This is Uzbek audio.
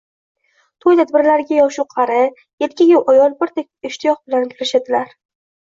to'y tadbirlarga yoshu-qari, erkagu-ayol birdek ishtiyoq bilan kirishadilar.